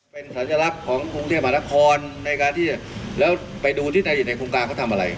เป็นสัญลักษณ์ของกรุงเทพหมานครในการที่แล้วไปดูที่ในกรุงการเขาทำอะไร